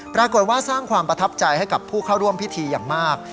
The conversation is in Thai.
ปรากฏว่าสร้างความประทับใจให้กับผู้เข้าร่วมพิธีอย่างมาก